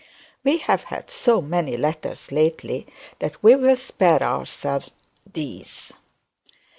We have had so many letters lately that we will spare ourselves these.